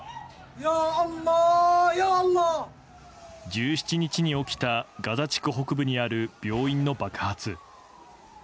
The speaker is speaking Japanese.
１７日に起きたガザ地区北部にある病院の爆発。